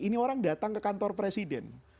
ini orang datang ke kantor presiden